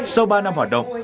sau ba năm hoạt động